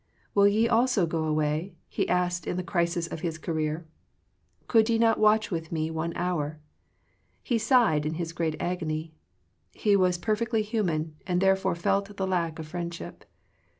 '* Will ye also go away?" He asked in the crisis of His career. Could ye not watch with Me one hour?" He sighed in His great agony. He was perfectly hu man, and therefore felt the lack of friendship.